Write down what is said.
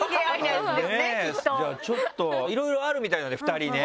じゃあ、ちょっといろいろあるみたいなんで２人ね。